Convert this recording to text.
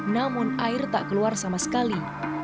namun air tak keluar sama sekali